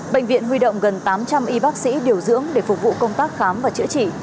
bệnh viện huy động gần tám trăm linh y bác sĩ điều dưỡng để phục vụ công tác khám và chữa trị